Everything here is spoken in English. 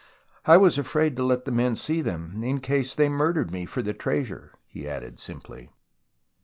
" I was afraid to let the men see them, in case they murdered me for the treasure," he added simply.